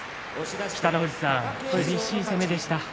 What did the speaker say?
北の富士さん、厳しい攻めでした。